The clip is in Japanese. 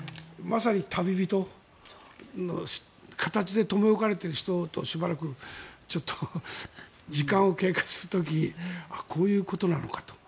まさに旅人の形で留め置かれている人としばらく時間を警戒する時こういうことなのかと。